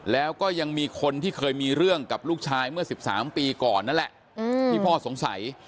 แล้วก็ยังมีคนที่เคยมีเรื่องกับลูกชายเมื่อ๑๓ปีก่อนนั่นแหละที่พ่อสงสัย